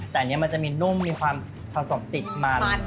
แต่อันนี้มันจะมีนุ่มมีความผสมติดมัน